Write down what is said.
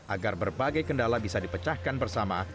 agar berbagai kendala bisa dipecahkan bersama